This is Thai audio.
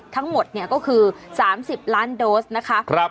ทั้งหมดก็คือ๓๐ล้านโดสนะคะ